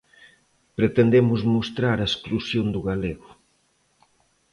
Pretendemos mostrar a exclusión do galego.